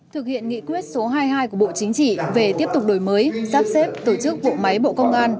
thực hiện nghị quyết số hai mươi hai của bộ chính trị về tiếp tục đổi mới sắp xếp tổ chức bộ máy bộ công an